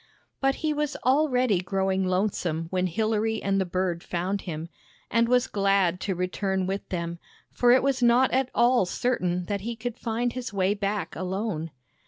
But he was already growing lonesome when Hilary and the bird found him, and was glad to return with them; for it was not at all certain that he could find his way back alone.